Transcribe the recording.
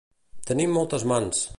Tenir moltes mans.